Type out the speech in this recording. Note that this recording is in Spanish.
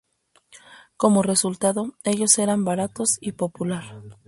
Como resultado, ellos eran baratos y popular.